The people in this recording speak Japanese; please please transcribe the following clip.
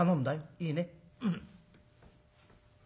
いいね？」。